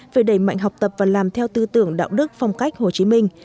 về đẩy mạnh học tập và làm theo tư tưởng đạo đức phong cách hồ chí minh